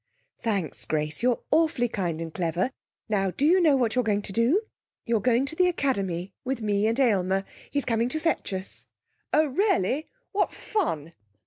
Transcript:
'Thanks, Grace; you're awfully kind and clever. Now do you know what you're going to do? You're going to the Academy with me and Aylmer. He's coming to fetch us.' 'Oh, really what fun!'